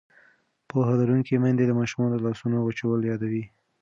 پوهه لرونکې میندې د ماشومانو د لاسونو وچول یادوي.